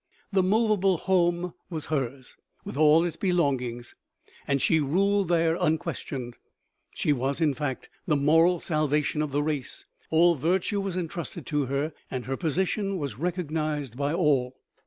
The movable home was hers, with all its belongings, and she ruled there unquestioned. She was, in fact, the moral salvation of the race; all virtue was entrusted to her, and her position was recognized by all.